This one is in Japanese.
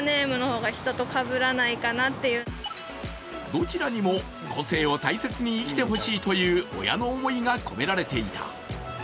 どちらにも個性を大切に生きてほしいという親の思いが込められていた。